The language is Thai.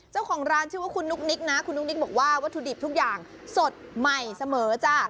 เจ้าของร้านชื่อว่าคุณนุกนิคนะวัตถุดิบทุกอย่างสดใหม่เสมอจ้ะ